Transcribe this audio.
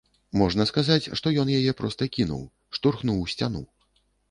Можна сказаць, што ён яе проста кінуў, штурхнуў у сцяну.